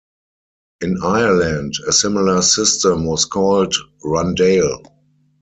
In Ireland, a similar system was called rundale.